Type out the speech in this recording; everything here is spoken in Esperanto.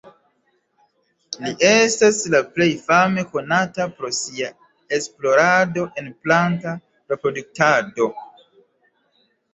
Li estas la plej fame konata pro sia esplorado en planta reproduktado.